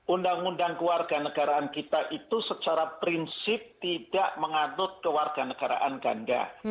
undang undang kewarganegaraan kita itu secara prinsip tidak mengadut kewarganegaraan kan enggak